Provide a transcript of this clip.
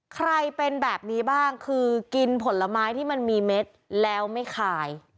ใครเป็นแบบนี้บ้างคือกินผลไม้ที่มันมีเม็ดแล้วไม่ขาย